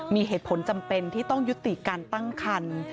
มีเหตุผลจำเป็นที่ต้องยุติการตั้งคัน